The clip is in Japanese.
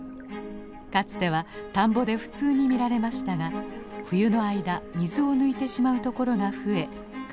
かつては田んぼで普通に見られましたが冬の間水を抜いてしまうところが増え数が減っています。